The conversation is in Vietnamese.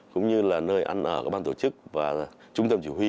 cũng như là nơi ăn ở của ban tổ chức và trung tâm chỉ huy